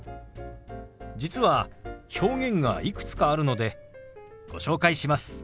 実は表現がいくつかあるのでご紹介します。